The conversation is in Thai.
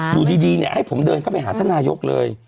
ดูดีเนี่ยให้ผมเดินเข้าไปหาท่านายกเลย